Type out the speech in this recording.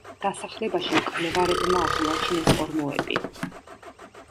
დასახლებაში მკვლევარებმა აღმოაჩინეს ორმოები.